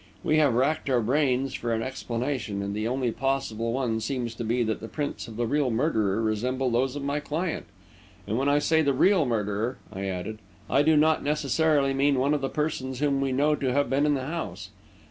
We have racked our brains for an explanation, and the only possible one seems to be that the prints of the real murderer resemble those of my client. And when I say the real murderer," I added, "I do not necessarily mean one of the persons whom we know to have been in the house.